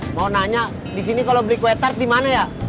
mau nanya disini kalo beli kuetar dimana ya